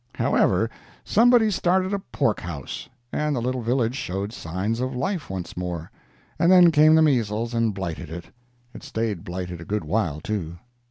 However, somebody started a pork house, and the little village showed signs of life once more. And then came the measles and blighted it. It stayed blighted a good while, too.